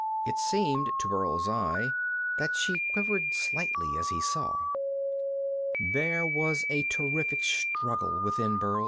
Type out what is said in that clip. It seemed to Burl's eye that she quivered slightly as he saw. There was a terrific struggle within Burl.